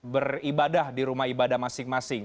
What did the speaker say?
beribadah di rumah ibadah masing masing